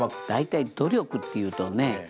大体努力っていうとね